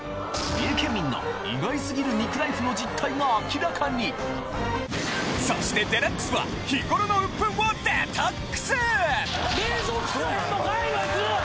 三重県民の意外すぎる肉ライフの実態が明らかにそして『ＤＸ』は日頃の冷蔵つかへんのかい！のやつ。